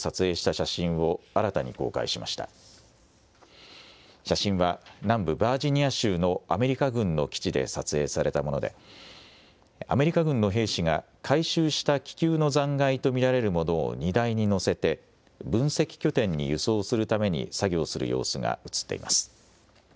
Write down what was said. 写真は、南部バージニア州のアメリカ軍の基地で撮影されたもので、アメリカ軍の兵士が回収した気球の残骸と見られるものを荷台に載せて、分析拠点に輸送するために作業する様子が写っています。